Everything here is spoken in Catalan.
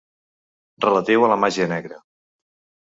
Relatiu a la màgia negra.